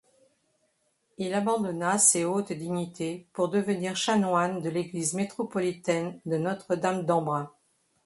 Il abandonna ces hautes dignités pour devenir chanoine de l'église métropolitaine de Notre-Dame d'Embrun.